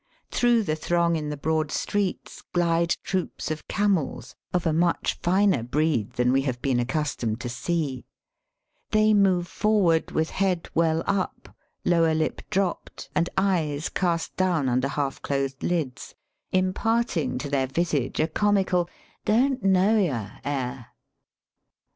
Through the throng in the broad streets glide troups of camels, of a much finer breed than we have been accus Digitized by VjOOQIC 310 EAST BY WEST* tomed to see. They move forward with head well up, lower lip dropped, and eyes cast down under half closed lids, imparting to their visage a comical " don't know yah " air.